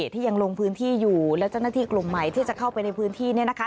ที่ยังลงพื้นที่อยู่และเจ้าหน้าที่กลุ่มใหม่ที่จะเข้าไปในพื้นที่เนี่ยนะคะ